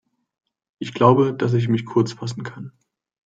Ich glaube, dass ich mich kurz fassen kann.